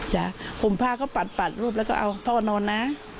ห่มผ้าก็ปัดรูปแล้วก็เอาท่อนอนนะ